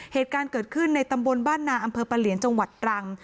เหตุการณ์เกิดขึ้นในตำบลบ้านนาอำเภอปะเหลียนจังหวัดตรัง